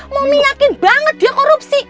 mami yakin banget dia korupsi